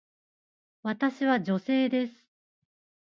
私は女性です。